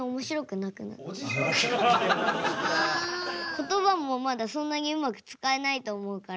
ことばもまだそんなにうまく使えないと思うから。